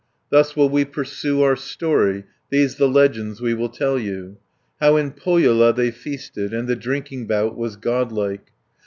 Thus will we pursue our story; These the legends we will tell you; How in Pohjola they feasted, And the drinking bout was Godlike.